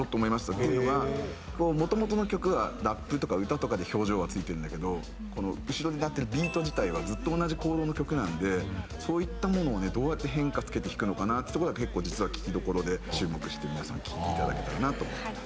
っていうのがもともとの曲がラップとか歌とかで表情はついてるんだけど後ろで鳴ってるビート自体はずっと同じコードの曲なんでそういったものをどうやって変化つけて弾くのかなってとこが結構実は聴きどころで注目して皆さん聴いていただけたらなと。